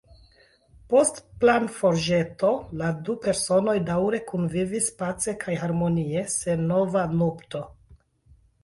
Post planforĵeto la du personoj daŭre kunvivis pace kaj harmonie sen nova nupto.